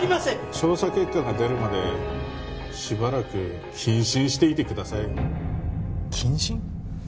調査結果が出るまでしばらく謹慎していてください謹慎？